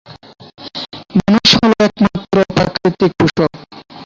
মানুষ হলো একমাত্র প্রাকৃতিক পোষক।